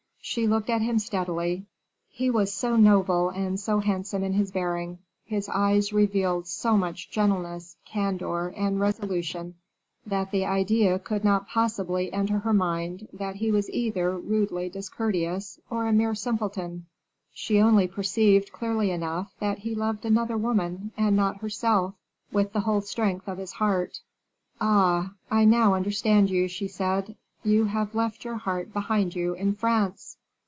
She looked at him steadily. He was so noble and so handsome in his bearing, his eyes revealed so much gentleness, candor, and resolution, that the idea could not possibly enter her mind that he was either rudely discourteous, or a mere simpleton. She only perceived, clearly enough, that he loved another woman, and not herself, with the whole strength of his heart. "Ah! I now understand you," she said; "you have left your heart behind you in France."